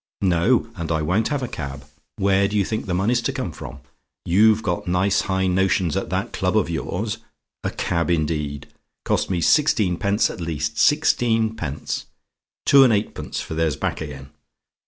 No: and I won't have a cab. Where do you think the money's to come from? You've got nice high notions at that club of yours. A cab, indeed! Cost me sixteenpence at least sixteenpence! two and eightpence, for there's back again.